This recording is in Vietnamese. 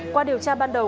qua điều tra ban đầu